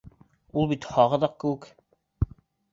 Ул бит һағыҙаҡ кеүек!..